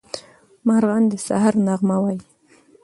مارغان د سهار نغمه وايي.